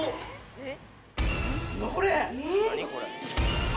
えっ？